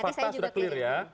fakta sudah clear ya